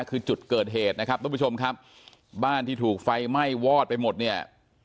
คือจุดเกิดเหตุนะครับทุกผู้ชมครับบ้านที่ถูกไฟไหม้วอดไปหมดเนี่ย